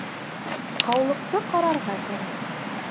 Һаулыҡты ҡарарға кәрәк.